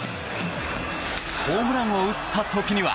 ホームランを打った時には。